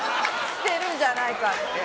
捨てるんじゃないかって。